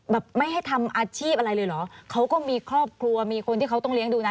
ไม่ให้ทำอาชีพอะไรเลยเหรอเขาก็มีครอบครัวมีคนที่เขาต้องเลี้ยงดูนะ